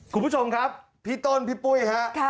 คุณผู้ชมครับพี่ต้นพี่ปุ้ยฮะ